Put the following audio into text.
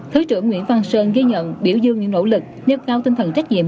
thứ trưởng nguyễn văn sơn ghi nhận biểu dương những nỗ lực nêu cao tinh thần trách nhiệm